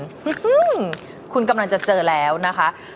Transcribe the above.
อืมคุณกำลังจะเจอแล้วนะคะ